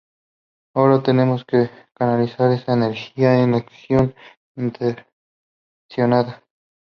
Ahora tenemos que canalizar esa energía en acción intencionada.